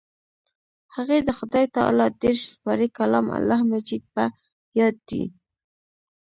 هغې د خدای تعالی دېرش سپارې کلام الله مجيد په ياد دی.